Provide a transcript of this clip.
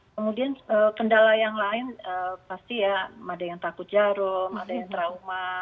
kemudian kendala yang lain pasti ya ada yang takut jarum ada yang trauma